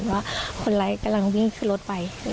ว่าคนร้ายกำลังวิ่งขึ้นรถไป